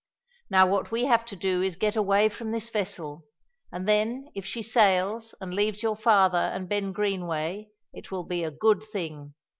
Now what we have to do is to get away from this vessel; and then if she sails and leaves your father and Ben Greenway, it will be a good thing.